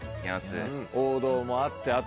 王道もあってあと。